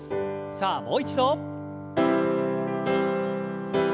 さあもう一度。